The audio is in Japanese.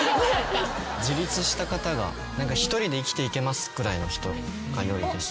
自立した方が１人で生きていけますくらいの人がよいです。